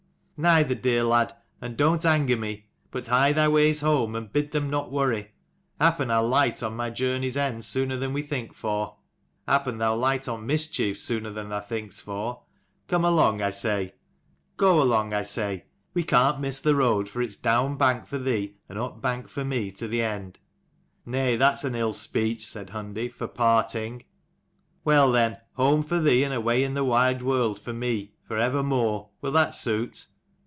"Neither, dear lad: and don't anger me, but hie thy ways home, and bid them not worry. Happen I'll light on my journey's end sooner than we think for." "Happen thou'll light on mischief sooner than thou think'st for. Come along, I say." "Go along, I say. We can't miss the road, for its down bank for thee and up bank for me to the end." "Nay, that's an ill speech," said Hundi, "for parting." "Well then, home for thee, and away in the wide world for me, for evermore. Will that suit?"